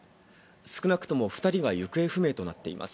少なくとも２人が行方不明となっています。